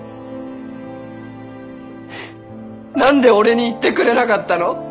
何で俺に言ってくれなかったの？